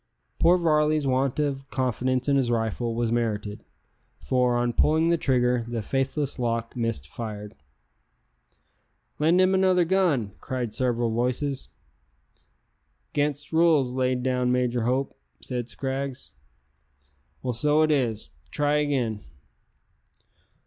Poor Varley's want of confidence in his rifle was merited, for, on pulling the trigger, the faithless lock missed fire. "Lend him another gun," cried several voices. "'Gainst rules laid down by Major Hope," said Scraggs. "Well, so it is; try again."